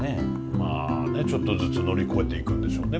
まあねちょっとずつ乗り越えていくんでしょうね